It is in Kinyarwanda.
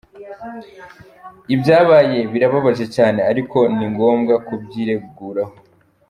Ibyabaye birababaje cyane ariko ni ngombwa kubyireguraho.